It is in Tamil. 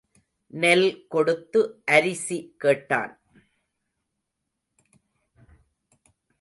நெல் கொடுத்து அரிசி கேட்டான்.